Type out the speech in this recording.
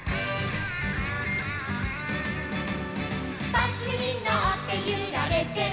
「バスにのってゆられてる」